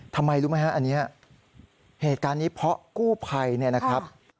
ทำไมรู้ไหมฮะอันนี้เหตุการณ์นี้เพราะกู้ภัยเนี่ยนะครับ